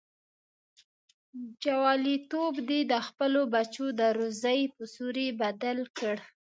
جواليتوب دې د خپلو بچو د روزۍ په سوري بدل کړ.